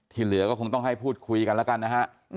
เหลือก็คงต้องให้พูดคุยกันแล้วกันนะฮะ